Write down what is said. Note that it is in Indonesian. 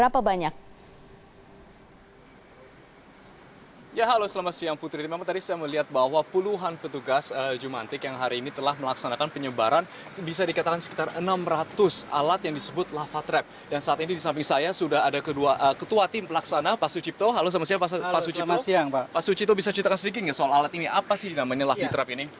pak sucipo bisa ceritakan sedikit soal alat ini apa sih namanya lavi trap ini